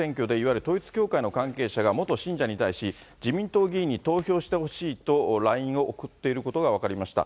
さて先日行われた参議院選挙でいわゆる統一教会の関係者が元信者に対し、自民党議員に投票してほしいとＬＩＮＥを送っていることが分かりました。